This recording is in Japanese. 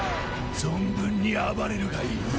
存分に暴れるがいい。